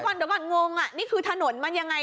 เดี๋ยวก่อนงงนี่คือถนนมันยังไง